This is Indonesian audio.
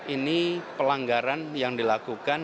ini pelanggaran yang dilakukan